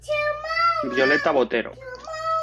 Violeta Botero.